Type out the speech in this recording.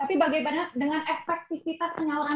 tapi bagaimana dengan efektivitas penyaluran